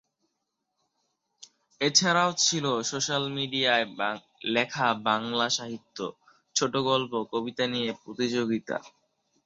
এছাড়াও ছিল সোশ্যাল মিডিয়ায় লেখা বাংলা সাহিত্য- ছোটোগল্প, কবিতা নিয়ে প্রতিযোগিতা।